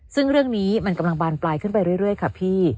ซึ่งเรื่องนี้มันกำลังบานปลายขึ้นไปเรื่อยค่ะพี่